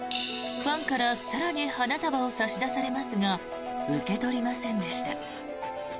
ファンから更に花束を差し出されますが受け取りませんでした。